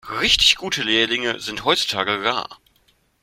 Richtig gute Lehrlinge sind heutzutage rar.